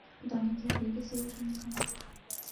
خدا نے کہہ دیا کہ سؤر نہ کھانا